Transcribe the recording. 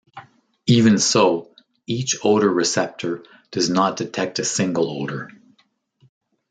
Even so, each odor receptor does not detect a single odor.